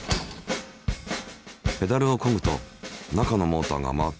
ペダルをこぐと中のモーターが回って電気が起きる。